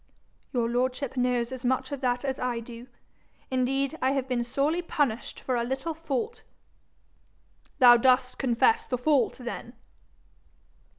'Your lordship knows as much of that as I do. Indeed, I have been sorely punished for a little fault.' 'Thou dost confess the fault then?'